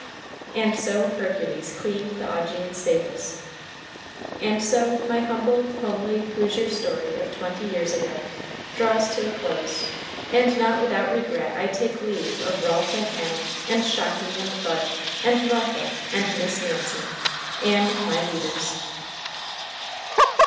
And so Hercules cleaned the Augean stables. And so my humble, homely Hoosier story of twenty years ago draws to a close, and not without regret I take leave of Ralph and Hannah; and Shocky, and Bud, and Martha, and Miss Nancy, and of my readers.